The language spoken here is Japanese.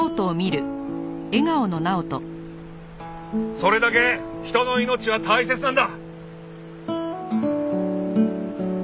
それだけ人の命は大切なんだ。